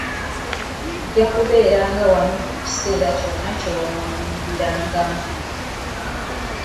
Nja kubeeranga wano buli kiseera kyonna ky'onoolimbirangamu.